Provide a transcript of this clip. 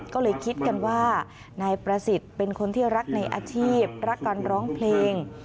ก็เลยคิดกันว่านายประสิทธิ์เป็นคนที่รักในอาชีพรักการร้องเพลง